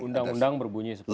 undang undang berbunyi seperti itu